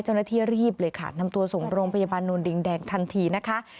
เจ้าหน้าที่รีบเลยค่ะนำตัวส่งโรงพยาบาลโนนดินแดงทันทีนะคะ